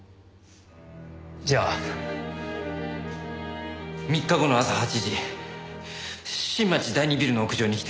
じゃあ３日後の朝８時新町第２ビルの屋上に来てくれ。